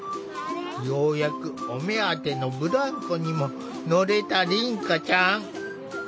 ようやくお目当てのブランコにも乗れた凛花ちゃん。